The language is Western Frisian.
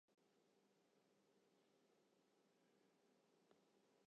Us omke hat in feehâlderij.